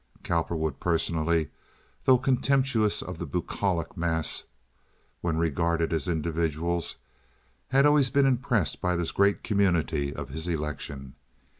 Cowperwood personally, though contemptuous of the bucolic mass when regarded as individuals, had always been impressed by this great community of his election.